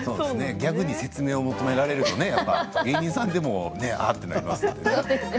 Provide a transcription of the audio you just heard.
ギャグに説明を求められたら芸人さんでもは？ってなりますよね。